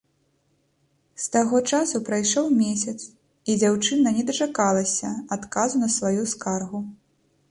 З таго часу прайшоў месяц, і дзяўчына не дачакалася адказу на сваю скаргу.